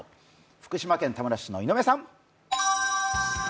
福島県田村市の井上さん。